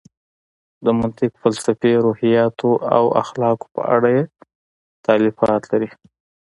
د منطق، فلسفې، روحیاتو او اخلاقو په اړه یې تالیفات لري.